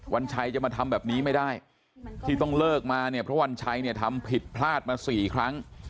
วันชัยจะมาทำแบบนี้ไม่ได้ที่ต้องเลิกมาเนี่ยเพราะวันชัยเนี่ยทำผิดพลาดมา๔ครั้ง